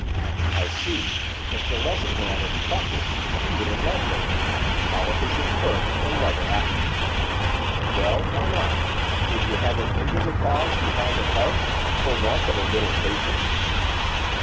'I see! Mr Lessingham is cautious even in love making, politician first, and lover afterwards.' 'Well! why not? would you have him injure the cause he has at heart for want of a little patience?